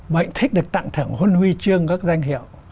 bệnh thích được tặng thưởng huân huy chương các danh hiệu